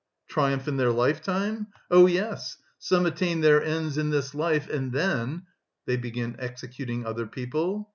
"Triumph in their lifetime? Oh, yes, some attain their ends in this life, and then..." "They begin executing other people?"